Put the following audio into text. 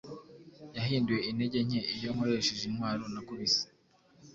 Yahinduye intege nke iyo nkoresheje intwaro nakubise